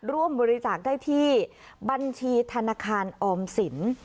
ร่วมบริจาคได้ที่บัญชีธนาคารออมสิน